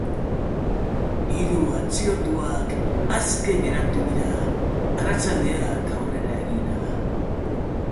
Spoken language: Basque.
Hiru atxilotutakoak aske geratu dira arratsaldeak aurrera egin ahala.